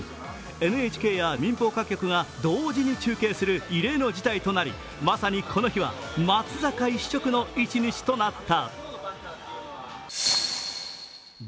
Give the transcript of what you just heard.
ＮＨＫや民放各局が同時に中継する異例の事態となりまさにこの日は、松坂一色の一日となった。